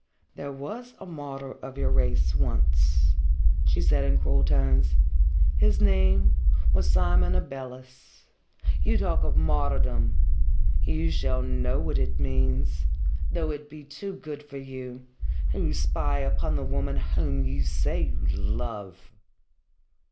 "There was a martyr of your race once," she said in cruel tones. "His name was Simon Abeles. You talk of martyrdom! You shall know what it means though it be too good for you, who spy upon the woman whom you say you love."